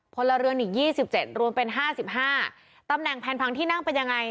พลเรือนอีกยี่สิบเจ็ดรวมเป็นห้าสิบห้าตำแหน่งแผนพังที่นั่งเป็นยังไง